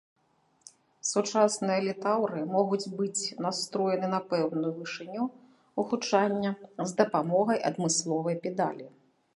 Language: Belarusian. Сучасныя літаўры могуць быць настроены на пэўную вышыню гучання з дапамогай адмысловай педалі.